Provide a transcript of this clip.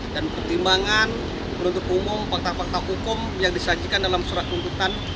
dan pertimbangan penuntuk umum fakta fakta hukum yang disajikan dalam surat kumpulan